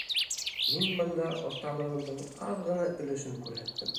Мин бында оҫталығымдың аҙ ғына өлөшөн күрһәттем!